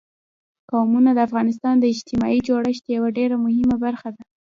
قومونه د افغانستان د اجتماعي جوړښت یوه ډېره مهمه برخه ده.